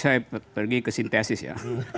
saya pergi ke sintesis ya